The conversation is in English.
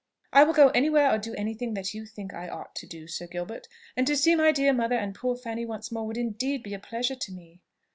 "I will go anywhere, or do any thing that you think I ought to do, Sir Gilbert; and to see my dear mother and poor Fanny once more would indeed be a pleasure to me.